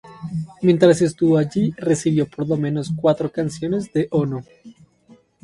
Mientras estuvo allí, recibió por lo menos cuatro canciones de Ono.